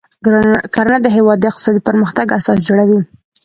کرنه د هیواد د اقتصادي پرمختګ اساس جوړوي.